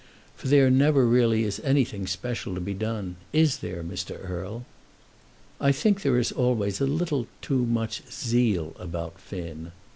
For there never really is anything special to be done; is there, Mr. Erle?" "I think there is always a little too much zeal about Finn."